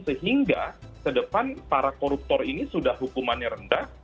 sehingga sedepan para koruptor ini sudah hukumannya rendah